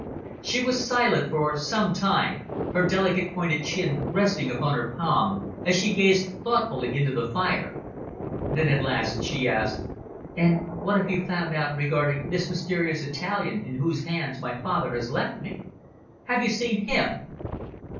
She was silent for some time, her delicate pointed chin resting upon her palm, as she gazed thoughtfully into the fire. Then at last she asked "And what have you found out regarding this mysterious Italian in whose hands my father has left me? Have you seen him?"